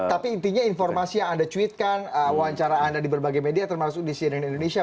tapi intinya informasi yang anda cuitkan wawancara anda di berbagai media termasuk di cnn indonesia